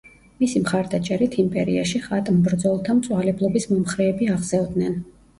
მისი მხარდაჭერით იმპერიაში ხატმბრძოლთა მწვალებლობის მომხრეები აღზევდნენ.